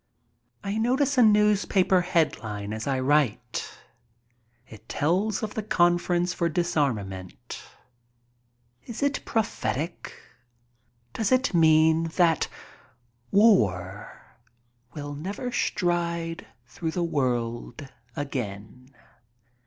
I notice a newspaper headline as I write. It tells of the Conference for Disarmament. Is it prophetic? Does it mean that war will never stride through the world again?